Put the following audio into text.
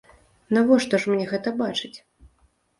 Навошта ж мне гэта бачыць?